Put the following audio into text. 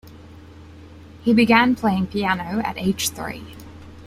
He began playing piano at age three.